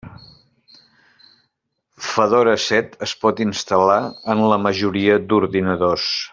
Fedora set es pot instal·lar en la majoria d'ordinadors.